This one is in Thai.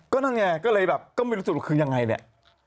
ก็นั่นไงก็เลยแบบก็ไม่รู้สึกว่าคือยังไงเนี่ย